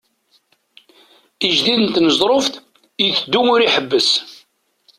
Ijdi n tneẓruft iteddu-d ur iḥebbes.